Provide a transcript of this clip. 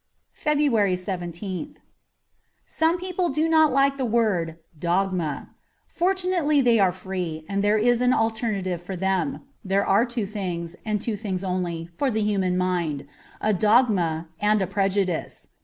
'' 52 FEBRUARY 17th SOME people do not like the word * dogma.' Fortunately they are free, and there is an alternative for them. There are two things, and two things only, for the human mind — a dogma and a prejudice.